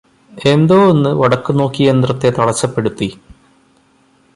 എന്തോ ഒന്ന് വടക്കുനോക്കിയന്ത്രത്തെ തടസ്സപ്പെടുത്തി